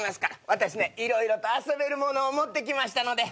私ね色々と遊べるものを持ってきましたので。